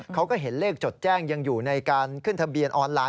เขาก็เห็นเลขจดแจ้งยังอยู่ในการขึ้นทะเบียนออนไลน